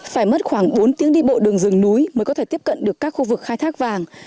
phải mất khoảng bốn tiếng đi bộ đường rừng núi mới có thể tiếp cận được các khu vực khai thác vàng